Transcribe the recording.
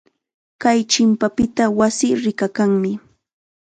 Kay chimpapita wasii rikakanmi.